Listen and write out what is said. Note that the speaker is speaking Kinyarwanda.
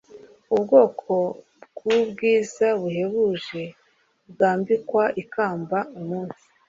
Ubwoko bwubwiza buhebuje bwambikwa ikamba umunsi